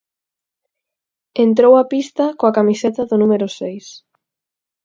Entrou a pista coa camiseta do número seis.